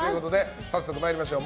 早速、参りましょう。